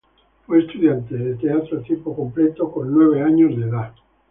Fue estudiante de teatro a tiempo completo a la edad de nueve años.